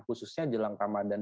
khususnya jelang tamadik